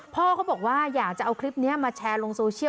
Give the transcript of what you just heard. พ่อเขาบอกว่าอยากจะเอาคลิปนี้มาแชร์ลงโซเชียล